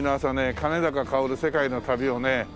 『兼高かおる世界の旅』をね